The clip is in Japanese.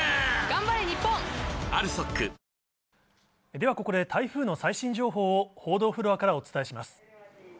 ではここで台風の最新情報を報道フロアからお伝えします。